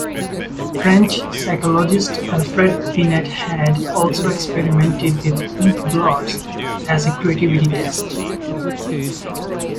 French psychologist Alfred Binet had also experimented with inkblots as a creativity test.